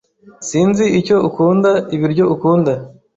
S Sinzi icyo ukunda ibiryo ukunda.